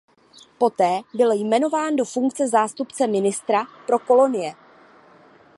Poté byl jmenován do funkce zástupce ministra pro kolonie.